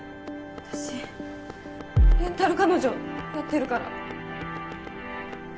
私レンタル彼女やってるから。